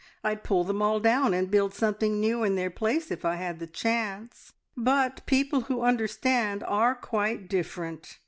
I'd pull them all down and build something new in their place if I had the chance, but people who understand are quite different.